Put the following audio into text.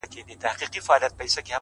پخوا د كلي په گودر كي جـادو ـ